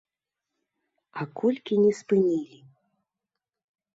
А колькі не спынілі?